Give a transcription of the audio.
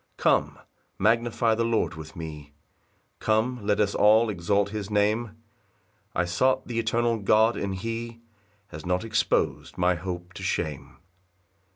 2 Come, magnify the Lord with me, Come, let us all exalt his name; I sought th' eternal God, and he Has not expos'd my hope to shame.